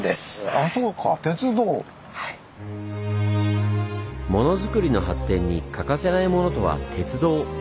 あそうかモノづくりの発展に欠かせないものとは鉄道。